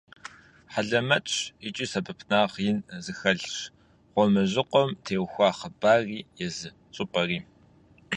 Хьэлэмэтщ икӀи сэбэпынагъ ин зыхэлъщ «Гъуамэжьыкъуэм» теухуа хъыбарри езы щӀыпӀэри.